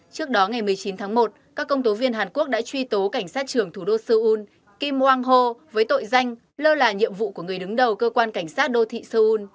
trước đó ngày một mươi chín tháng một các công tố viên hàn quốc đã truy tố cảnh sát trưởng thủ đô seoul kim hwang ho với tội danh lơ là nhiệm vụ của người đứng đầu cơ quan cảnh sát đô thị seoul